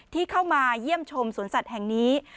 ที่เข้ามาเยี่ยมชมสวนสัตว์แห่งนี้